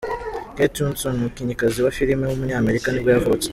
Kate Hudson, umukinnyikazi wa filime w’umunyamerika nibwo yavutse.